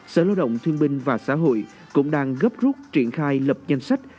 sở lao động thương binh và xã hội cũng đang gấp rút triển khai lập danh sách